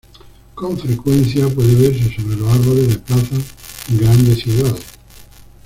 Con frecuencia, puede verse sobre los árboles de plazas en grandes ciudades.